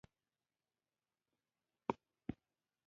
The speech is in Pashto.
ښوروا له ګرمې خولې سره خوند کوي.